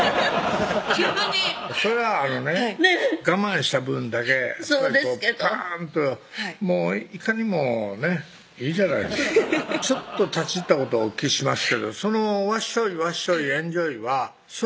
急にそれはあのね我慢した分だけやっぱりパーンともういかにもねいいじゃないですかちょっと立ち入ったことお聞きしますけどそのわっしょいわっしょい